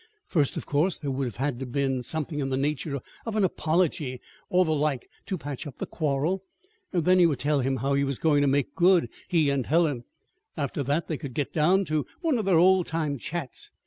First, of course, there would have had to be something in the nature of an apology or the like to patch up the quarrel. Then he would tell him how he was really going to make good he and Helen. After that they could get down to one of their old time chats.